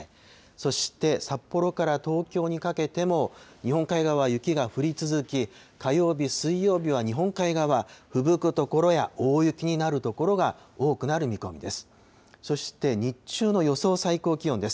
そして、札幌から東京にかけても、日本海側、雪が降り続き、火曜日、水曜日は日本海側、ふぶく所や大雪になる所が多くなる見込みです。